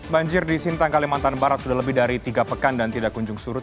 banjir di sintang kalimantan barat sudah lebih dari tiga pekan dan tidak kunjung surut